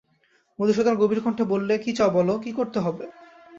মধুসূদন গভীরকণ্ঠে বললে, কী চাও বলো, কী করতে হবে?